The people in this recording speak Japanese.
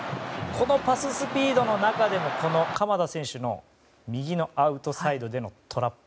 このパススピードの中でも鎌田選手の右のアウトサイドでのトラップ。